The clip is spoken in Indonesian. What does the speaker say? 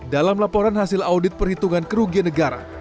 dalam laporan hasil audit perhitungan kerugian negara